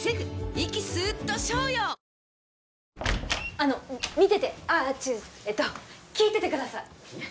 あの見ててああ違うえっと聞いててください